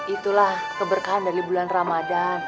itulah keberkahan dari bulan ramadan